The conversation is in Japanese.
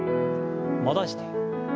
戻して。